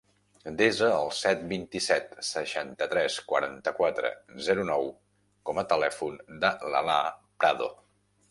Desa el set, vint-i-set, seixanta-tres, quaranta-quatre, zero, nou com a telèfon de l'Alaa Prado.